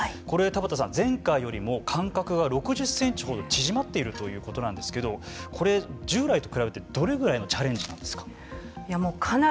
これ田畑さん、前回よりも間隔が６０センチほど縮まっているということなんですけどこれ、従来と比べてどれぐらいのチャレンジなんですか。